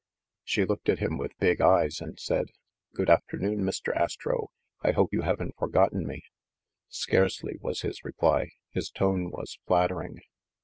She looked at him with big eyes and said, "Good afternoon, Mr. Astro. I hope you haven't forgotten me." "Scarcely," was his reply. His tone was flattering.